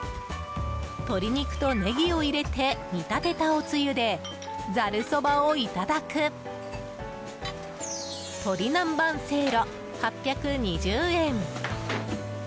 鶏肉とネギを入れて煮立てたおつゆで、ざるそばをいただくとり南ばんせいろ、８２０円。